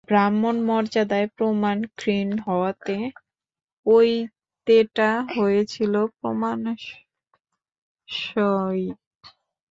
ব্রাহ্মণ-মর্যাদায় প্রমাণ ক্ষীণ হওয়াতে পইতেটা হয়েছিল প্রমাণসই।